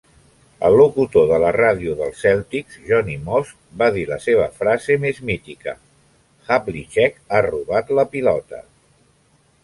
El locutor de la ràdio dels Celtics, Johnny Most, va dir la seva frase més mítica: Havlicek ha robat la pilota!